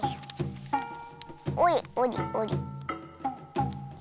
おりおりおり。